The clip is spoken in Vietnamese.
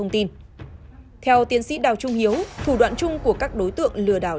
theo tiến sĩ đào trung hiếu thủ đoạn chung của các đối tượng lừa đảo